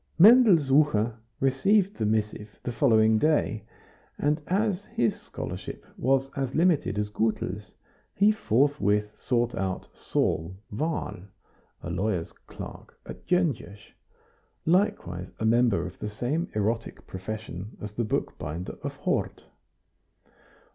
Mendel Sucher received the missive the following day, and as his scholarship was as limited as Gutel's, he forthwith sought out Saul Wahl, a lawyer's clerk at Gyongos, likewise a member of the same erotic profession as the bookbinder of Hort.